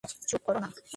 চুপ কর না?